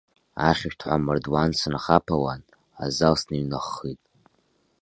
Ахьышәҭҳәа амардуан сынхаԥалан, азал сныҩнаххит.